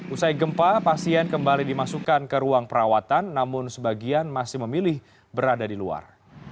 usai gempa pasien kembali dimasukkan ke ruang perawatan namun sebagian masih memilih berada di luar